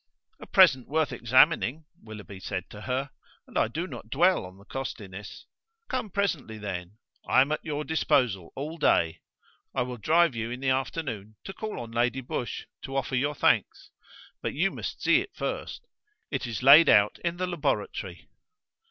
"A present worth examining," Willoughby said to her: "and I do not dwell on the costliness. Come presently, then. I am at your disposal all day. I will drive you in the afternoon to call on Lady Busshe to offer your thanks: but you must see it first. It is laid out in the laboratory."